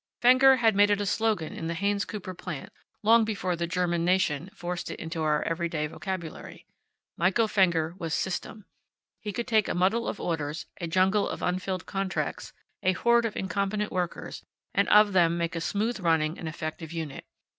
Fenger had made it a slogan in the Haynes Cooper plant long before the German nation forced it into our everyday vocabulary. Michael Fenger was System. He could take a muddle of orders, a jungle of unfilled contracts, a horde of incompetent workers, and of them make a smooth running and effective unit.